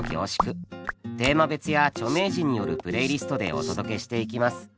テーマ別や著名人によるプレイリストでお届けしていきます。